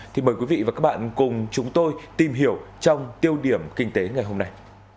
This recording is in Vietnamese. thì mời quý vị và các bạn cùng chúng tôi tìm hiểu trong tiêu điểm kinh tế ngày hôm nay